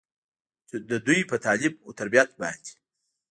چې د دوي پۀ تعليم وتربيت باندې